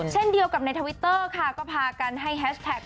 เช่นเดียวกับในทวิตเตอร์ค่ะก็พากันให้แฮชแท็ก